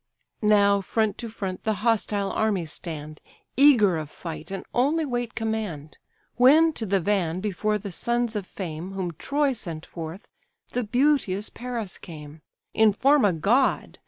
Now front to front the hostile armies stand, Eager of fight, and only wait command; When, to the van, before the sons of fame Whom Troy sent forth, the beauteous Paris came: In form a god!